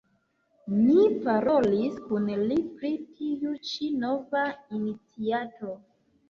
Ni parolis kun li pri tiu ĉi nova iniciato.